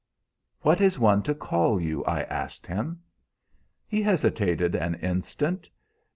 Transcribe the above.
"'What is one to call you?' I asked him. "He hesitated an instant.